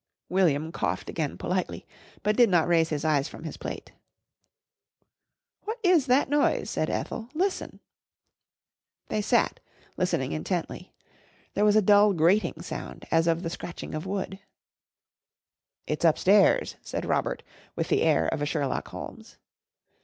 William coughed again politely, but did not raise his eyes from his plate. "What is that noise?" said Ethel. "Listen!" They sat, listening intently. There was a dull grating sound as of the scratching of wood. "It's upstairs," said Robert with the air of a Sherlock Holmes.